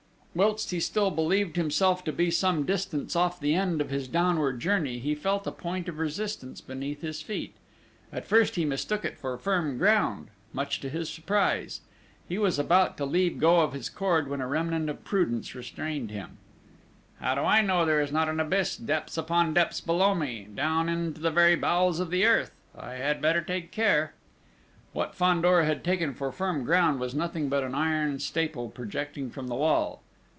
Whilst he still believed himself to be some distance off the end of his downward journey, he felt a point of resistance beneath his feet. At first he mistook it for firm ground, much to his surprise. He was about to leave go of his cord when a remnant of prudence restrained him: "How do I know there is not an abyss depths upon depths below me down into the very bowels of the earth! I had better take care!" What Fandor had taken for firm ground was nothing but an iron staple projecting from the wall.